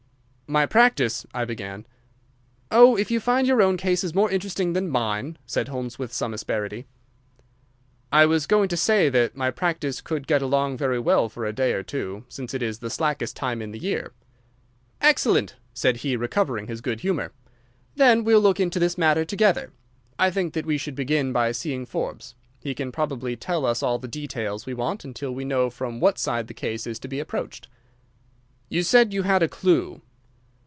"My practice—" I began. "Oh, if you find your own cases more interesting than mine—" said Holmes, with some asperity. "I was going to say that my practice could get along very well for a day or two, since it is the slackest time in the year." "Excellent," said he, recovering his good humour. "Then we'll look into this matter together. I think that we should begin by seeing Forbes. He can probably tell us all the details we want until we know from what side the case is to be approached." "You said you had a clue?"